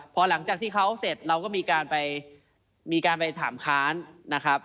พอหลังจากที่เขาเสร็จเราก็มีการไปมีการไปถามค้านนะครับ